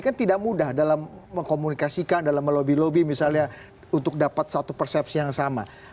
kan tidak mudah dalam mengkomunikasikan dalam melobi lobi misalnya untuk dapat satu persepsi yang sama